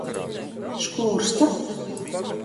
Škūrsta.